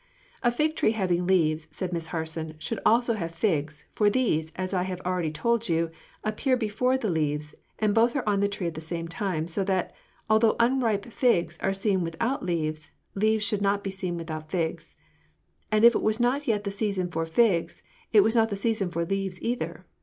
'" "A fig tree having leaves," said Miss Harson, "should also have figs, for these, as I have already told you, appear before the leaves, and both are on the tree at the same time; so that, although unripe figs are seen without leaves, leaves should not be seen without figs; and if it was not yet the season for figs, it was not the season for leaves either.